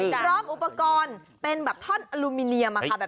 ประกอบยิ้มอุปกรณ์เป็นแบบไทษอลูมิเนียม